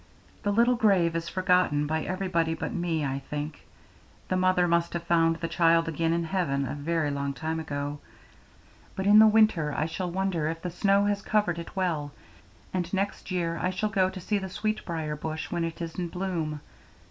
The little grave is forgotten by everybody but me, I think: the mother must have found the child again in heaven a very long time ago: but in the winter I shall wonder if the snow has covered it well, and next year I shall go to see the sweet brier bush when it is in bloom.